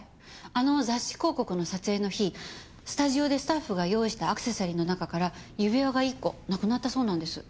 あの雑誌広告の撮影の日スタジオでスタッフが用意したアクセサリーの中から指輪が１個なくなったそうなんです。